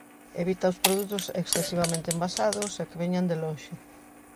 Evita os produtos excesivamente envasados e que veñan de lonxe.